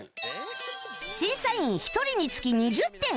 審査員１人につき２０点